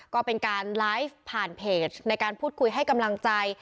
ก็เป็นการไลฟ์ผ่านเพจในการพูดคุยให้กำลังใจ